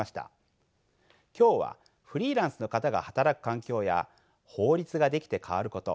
今日はフリーランスの方が働く環境や法律が出来て変わること